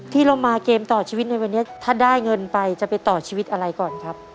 ที่เรามาเกมต่อชีวิตในวันนี้ถ้าได้เงินไปจะไปต่อชีวิตอะไรก่อนครับ